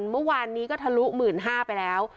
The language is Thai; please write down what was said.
เมื่อวานนี้ก็ทะลุ๑๕๐๐ไปแล้ว